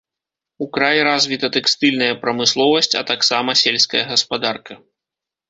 У краі развіта тэкстыльная прамысловасць, а таксама сельская гаспадарка.